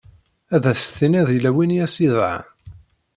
Ad as-tiniḍ yella win i as-idɛan.